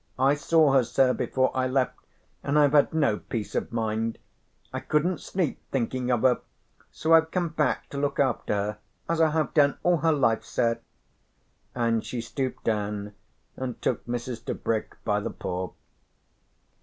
I saw her, sir, before I left, and I've had no peace of mind. I couldn't sleep thinking of her. So I've come back to look after her, as I have done all her life, sir," and she stooped down and took Mrs. Tebrick by the paw.